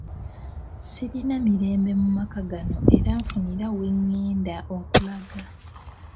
Sirina mirembe mu maka gano era nfunira we ngenda okulaga.